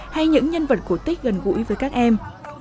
hay những nhân vật cổ tích gần gũi với các em